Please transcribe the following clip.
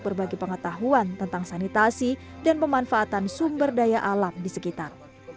berbagi pengetahuan tentang sanitasi dan pemanfaatan sumber daya alam di sekitar